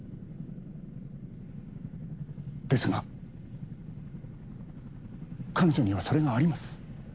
ですが彼女にはそれがあります。